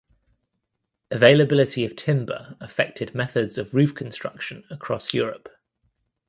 Availability of timber affected methods of roof construction across Europe.